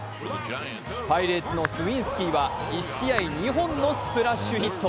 パイレーツのスウィンスキーは１試合２本のスプラッシュヒット。